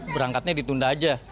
berangkatnya ditunda aja